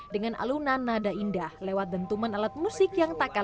dengan alunan nada indah lewat dentuman alat musik yang tak kalah